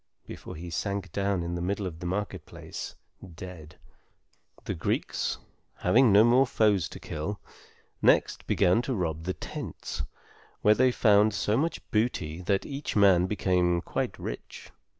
before he sank down in the middle of the market place, dead. The Greeks, having no more foes to kill, next began to rob the tents, where they found so much booty that each man became quite rich.